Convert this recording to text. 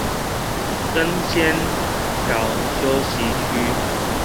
登仙橋休憩區